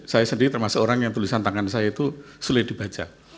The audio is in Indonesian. saya sendiri termasuk orang yang tulisan tangan saya itu sulit dibaca